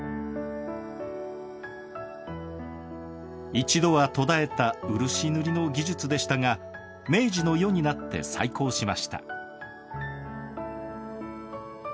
一度は途絶えた漆塗りの技術でしたが明治の世になって再興しました。